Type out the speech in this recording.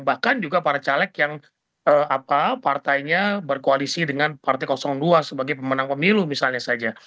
bahkan juga para caleg yang partainya berkoalisi dengan partai dua sebagai pemenang pemilu misalnya saja